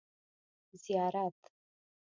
زيارت